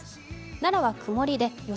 奈良は曇りで予想